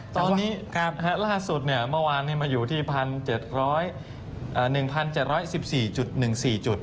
ตอนนี้ล่าสุดเมื่อวานมาอยู่ที่๑๗๐๑๗๑๔๑๔จุด